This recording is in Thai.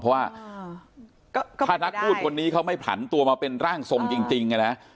เพราะถ้านักคูตงคนนี้ไม่ผลันตัวมาเป็นร่างสมจริง